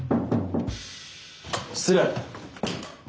失礼。